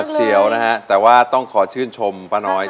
เสียวนะฮะแต่ว่าต้องขอชื่นชมป้าน้อย